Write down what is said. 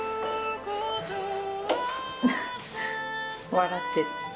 笑ってる。